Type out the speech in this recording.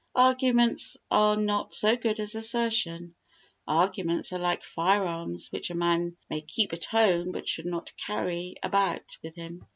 Arguments are not so good as assertion. Arguments are like fire arms which a man may keep at home but should not carry about with him.